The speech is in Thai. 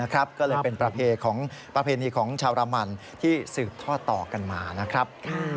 ก็เลยเป็นประเพณีของชาวรามันที่สืบทอดต่อกันมานะครับ